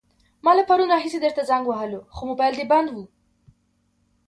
ما له پرون راهيسې درته زنګ وهلو، خو موبايل دې بند وو.